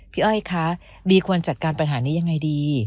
อ้อยคะบีควรจัดการปัญหานี้ยังไงดี